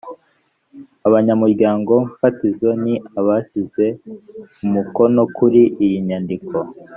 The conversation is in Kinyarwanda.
abanyamuryango fatizo ni abashyize umukono kuri iyi nyandiko